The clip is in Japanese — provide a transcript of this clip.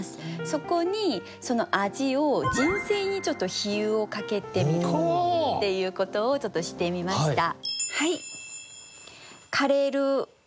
そこにその味を人生に比喩をかけてみるっていうことをちょっとしてみました。